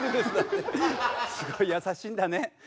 すごい優しいんだね。